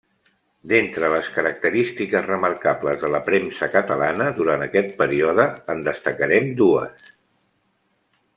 D'entre les característiques remarcables de la premsa catalana durant aquest període en destacarem dues.